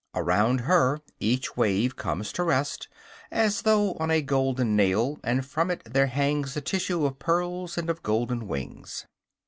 Around her each wave comes to rest, as though on a golden nail, and from it there hangs the tissue of pearls and of golden wings.